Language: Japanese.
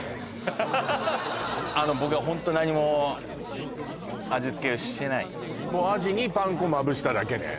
あの僕はホント何も味つけをしてないもうアジにパン粉まぶしただけね